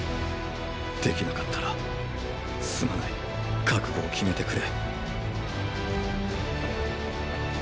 できなかったらすまない覚悟を決めてくれ。